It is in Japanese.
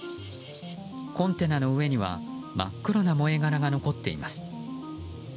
コンテナの上には真っ黒な燃えがらが残っています。